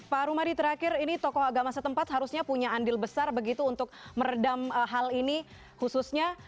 pak rumadi terakhir ini tokoh agama setempat harusnya punya andil besar begitu untuk meredam hal ini khususnya